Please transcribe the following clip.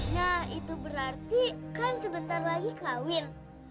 ya itu berarti kan sebentar lagi kawin